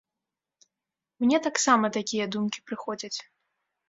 Мне таксама такія думкі прыходзяць.